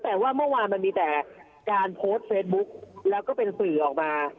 แต่ว่าเมื่อวานมันมีแต่การโพสต์เฟซบุ๊กแล้วก็เป็นสื่อออกมา